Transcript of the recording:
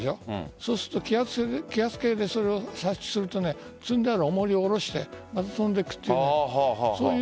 そうすると気圧計でそれを察知すると積んである重りを下ろしてくっついていって。